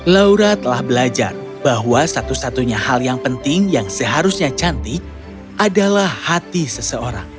laura telah belajar bahwa satu satunya hal yang penting yang seharusnya cantik adalah hati seseorang